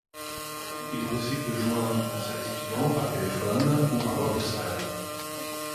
Il est possible de joindre un service client par téléphone ou par voie postale.